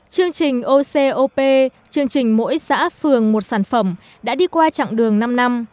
chương trình ocop chương trình mỗi xã phường một sản phẩm đã đi qua chặng đường năm năm